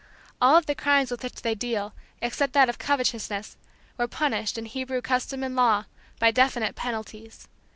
All of the crimes with which they deal, except that of covetousness, were punished, in Hebrew custom and law, by definite penalties.